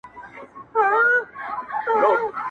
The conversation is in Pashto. نور مغروره سو لويي ځني کيدله,